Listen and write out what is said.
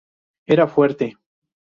Era fuerte"".